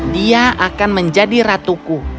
dia akan menjadi ratuku